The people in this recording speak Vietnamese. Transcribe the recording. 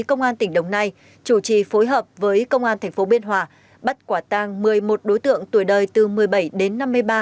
công an tỉnh đồng nai chủ trì phối hợp với công an tp biên hòa bắt quả tang một mươi một đối tượng tuổi đời từ một mươi bảy đến năm mươi ba